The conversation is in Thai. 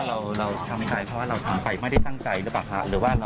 เห็นที่บอกนะคะว่าน้องสาว